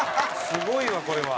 すごいわこれは。